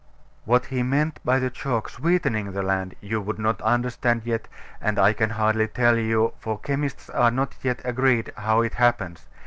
What he meant by the chalk sweetening the land you would not understand yet, and I can hardly tell you; for chemists are not yet agreed how it happens.